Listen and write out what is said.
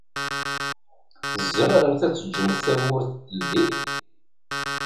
Tzemremt ad teǧǧemt tawwurt teldi?